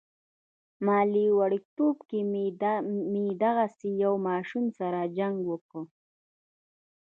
مالې وړوکتوب کې مې دغسې يو ماشوم سره جنګ وکه.